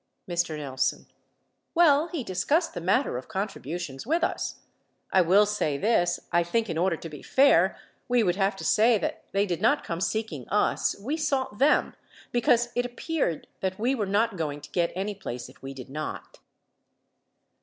Mr. Nelson. Well, he discussed the matter of contributions with us. I will say this, I think in order to be fair, we would have to say that they did not come seeking us, we sought them, because it appeared that we were not going to get any place if we did not.